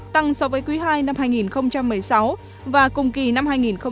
tăng so với quý ii năm hai nghìn một mươi sáu và cùng kỳ năm hai nghìn một mươi tám